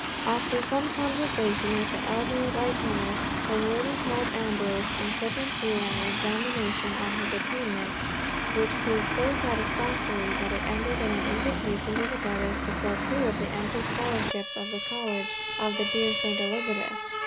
After some conversation with the elder Wykehamist, the Warden called Ambrose and put him through an examination on his attainments, which proved so satisfactory, that it ended in an invitation to the brothers to fill two of the empty scholarships of the college of the dear St. Elizabeth.